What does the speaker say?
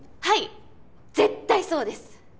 はい絶対そうです！